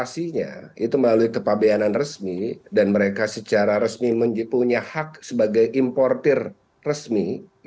pertasinya itu melalui kepabeanan resmi dan mereka secara resmi punya hak sebagai importer resmi